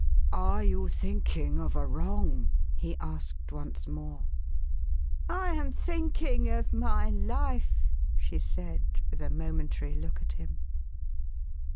" Are you thinking of a wrong ?" he asked, once more. "I am thinking of my life,11 she said, with a momentary look at him.